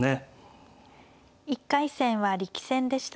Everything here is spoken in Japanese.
１回戦は力戦でした。